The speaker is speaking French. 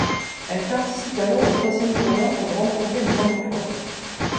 Elle participe alors au troisième tournoi pour les rencontrer une dernière fois.